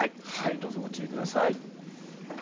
どうぞご注意ください。